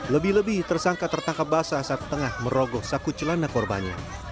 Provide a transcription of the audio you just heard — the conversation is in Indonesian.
lebih lebih tersangka tertangkap basah saat tengah merogoh saku celana korbannya